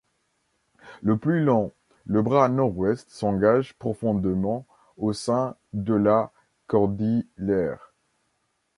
Le plus long, le bras nord-ouest s'engage profondément au sein de la cordillère.